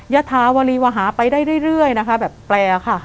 ยธาวรีวหาไปได้เรื่อยนะคะแบบแปลค่ะ